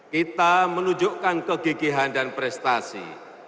kita menunjukkan kegigihan dan prestasi